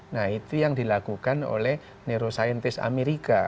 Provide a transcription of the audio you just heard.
nah itu yang dilakukan oleh neuroscientist amerika